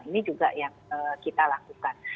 ini juga yang kita lakukan